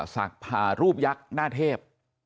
ศักดิ์ภารูปยักษ์หน้าเทพ